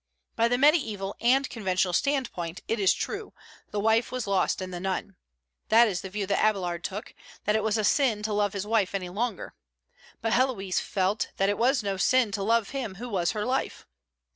By the mediaeval and conventional stand point, it is true, the wife was lost in the nun. That is the view that Abélard took, that it was a sin to love his wife any longer. But Héloïse felt that it was no sin to love him who was her life.